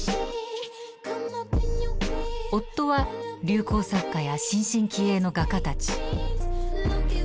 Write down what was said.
夫は流行作家や新進気鋭の画家たち。